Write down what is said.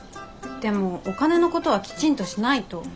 でもお金のことはきちんとしないと。